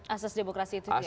asas demokrasi itu sendiri